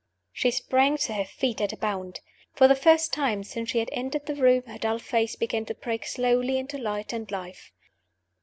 She sprang to her feet at a bound. For the first time since she had entered the room her dull face began to break slowly into light and life.